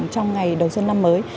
trong ngày đầu xuân năm mới